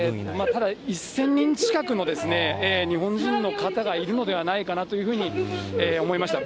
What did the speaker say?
ただ、１０００人近くの日本人の方がいるのではないかなというふうに思いました。